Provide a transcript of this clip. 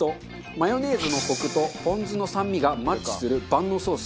マヨネーズのコクとポン酢の酸味がマッチする万能ソース。